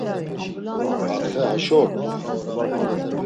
Atxe haşo ort̆ui?